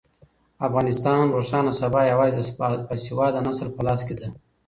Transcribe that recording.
د افغانستان روښانه سبا یوازې د باسواده نسل په لاس کې ده.